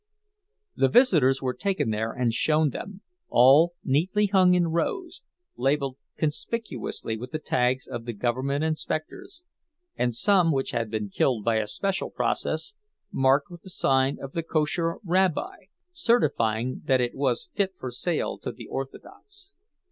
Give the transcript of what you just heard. The visitors were taken there and shown them, all neatly hung in rows, labeled conspicuously with the tags of the government inspectors—and some, which had been killed by a special process, marked with the sign of the kosher rabbi, certifying that it was fit for sale to the orthodox.